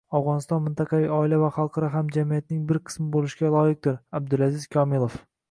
Afg‘oniston mintaqaviy oila va xalqaro hamjamiyatning bir qismi bo‘lishga loyiqdir – Abdulaziz Komilov